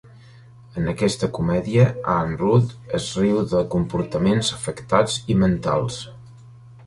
En aquesta comèdia, Aanrud es riu de comportaments afectats i mentals.